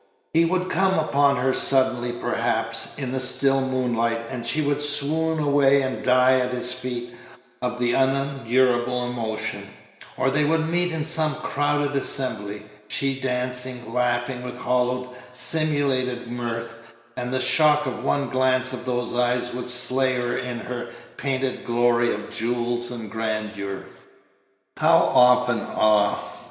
He would come upon her suddenly, perhaps, in the still moonlight, and she would swoon away and die at his feet of the unendurable emotion; or they would meet in some crowded assembly, she dancing, laughing with hollow, simulated mirth, and the shock of one glance of those eyes would slay her in her painted glory of jewels and grandeur. How often, ah!